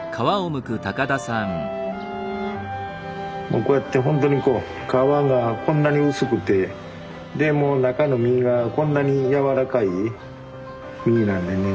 もうこうやってほんとにこう皮がこんなに薄くてでもう中の身がこんなに柔らかい実なんでね。